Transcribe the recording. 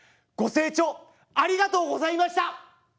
ご清聴ありがとうございました！